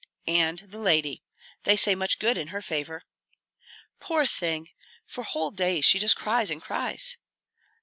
"And the lady. They say much good in her favor." "Poor thing! for whole days she just cries and cries."